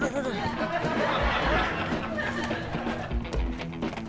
duh duh duh